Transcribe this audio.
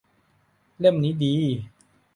เล่มนี้ดี